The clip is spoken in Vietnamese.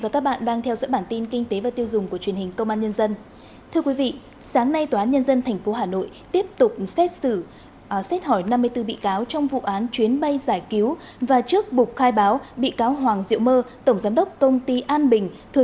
cảm ơn các bạn đã theo dõi